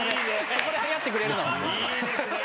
そこで張り合ってくれるの？